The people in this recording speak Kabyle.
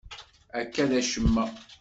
Akka d acemma.